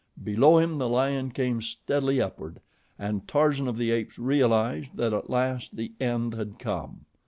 Below him the lion came steadily upward, and Tarzan of the Apes realized that at last the end had come.